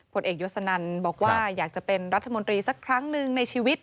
ผลเอกยศนันบอกว่าอยากจะเป็นรัฐมนตรีสักครั้งหนึ่งในชีวิต